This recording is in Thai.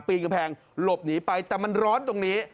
กำแพงหลบหนีไปแต่มันร้อนตรงนี้